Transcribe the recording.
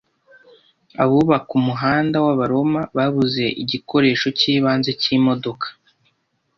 Abubaka umuhanda wabaroma babuze igikoresho cyibanze Cyimodoka